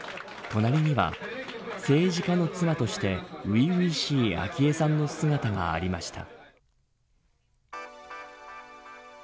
隣には、政治家の妻として初々しい昭恵さんの姿がありました。